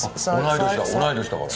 同い年だから。